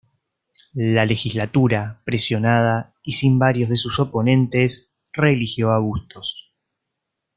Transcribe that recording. La legislatura, presionada y sin varios de sus oponentes, reeligió a Bustos.